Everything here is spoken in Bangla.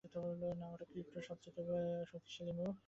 না, এটা ক্রিপ্টোর সবচেয়ে শক্তিশালী মুভ।